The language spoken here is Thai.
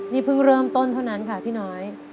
นี่เพิ่งเริ่มต้นเท่านั้นค่ะพี่น้อย